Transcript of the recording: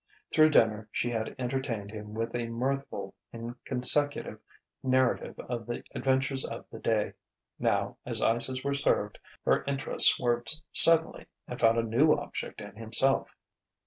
Through dinner she had entertained him with a mirthful, inconsecutive narrative of the adventures of the day. Now, as ices were served, her interest swerved suddenly and found a new object in himself.